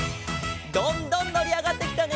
どんどんのりあがってきたね！